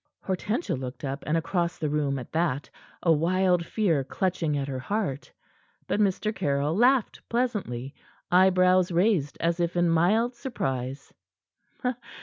Hortensia looked up and across the room at that, a wild fear clutching at her heart. But Mr. Caryll laughed pleasantly, eyebrows raised as if in mild surprise.